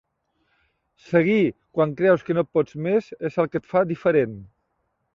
Seguir quan creus que no pots més és el que et fa diferent.